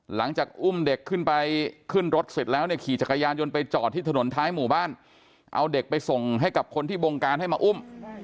หลังจากอุ้มเด็กขึ้นไปขึ้นรถเสร็จแล้วเนี่ยขี่จักรยานยนต์ไปจอดที่ถนนท้ายหมู่บ้านเอาเด็กไปส่งให้กับคนที่บงการให้มาอุ้ม